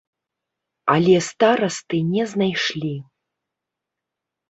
Але старасты не знайшлі.